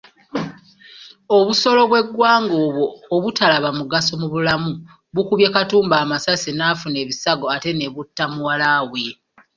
Obusolo bw'eggwanga obwo obutalaba mugaso mu bulamu bukubye Katumba amasasi n’afuna ebisago ate ne butta muwala we.